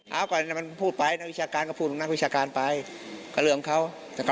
เอาก่อนมันพูดไปนักวิชาการก็พูดของนักวิชาการไปก็เรื่องเขา